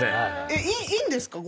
いいんですか？